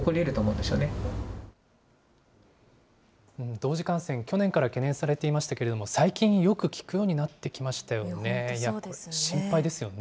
同時感染、去年から懸念されていましたけれども、最近、よく聞くようになっ本当、そうですよね。